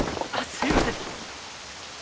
すいません